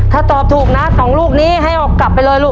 ถ้าตอบถูกนะ๒ลูกนี้ให้เอากลับไปเลยลูก